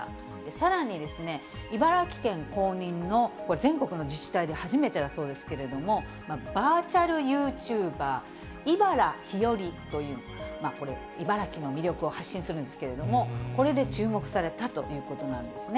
さらに、茨城県公認のこれ、全国の自治体で初めてだそうですけれども、バーチャルユーチューバー、茨ひよりという、これ茨城の魅力を発信するんですけれども、これで注目されたということなんですね。